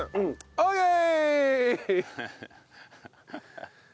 オーケー！